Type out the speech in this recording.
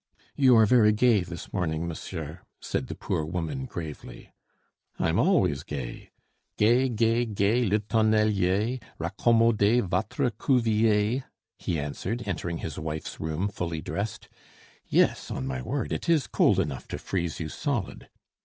"You are very gay this morning, monsieur," said the poor woman gravely. "I'm always gay, "'Gai, gai, gai, le tonnelier, Raccommodez votre cuvier!'" he answered, entering his wife's room fully dressed. "Yes, on my word, it is cold enough to freeze you solid.